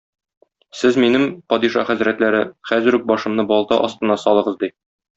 Сез минем, падиша хәзрәтләре, хәзер үк башымны балта астына салыгыз,- ди.